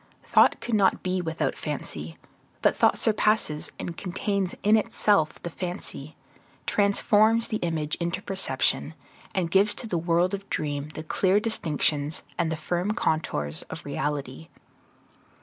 Thought could not be without fancy; but thought surpasses and contains in itself the fancy, transforms the image into perception, and gives to the world of dream the clear distinctions and the firm contours of reality.